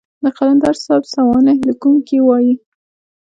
د قلندر صاحب سوانح ليکونکي وايي.